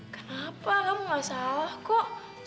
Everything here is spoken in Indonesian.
kenapa kamu gak salah kok